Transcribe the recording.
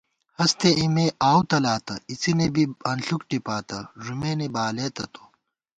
ہست اِمےآؤو تلاتہ، اِڅِنے بی انݪُک ٹِپاتہ، ݫُمېنےبالېتہ تو